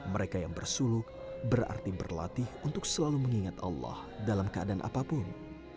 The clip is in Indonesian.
mereka yang bersuluk berarti berlatih untuk selalu mengingat allah dalam keadaan apapun